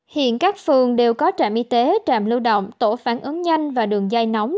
hiện các phường đều có trạm y tế trạm lưu động tổ phản ứng nhanh và đường dây nóng